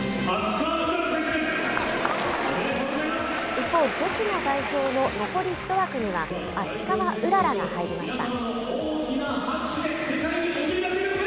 一方、女子の代表の残り１枠には芦川うららが入りました。